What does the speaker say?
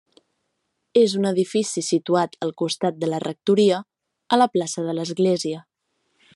És un edifici situat al costat de la rectoria, a la plaça de l'Església.